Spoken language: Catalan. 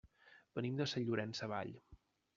Venim de Sant Llorenç Savall.